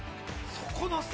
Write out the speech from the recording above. そこの差。